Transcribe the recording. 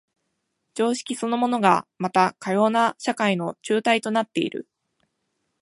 常識そのものがまたかような社会の紐帯となっている。